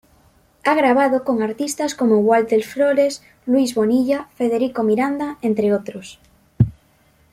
Ha grabado con artistas como: Walter Flores, Luis Bonilla, Federico Miranda, entre otros.